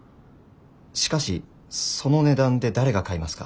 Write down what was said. しかしその値段で誰が買いますか？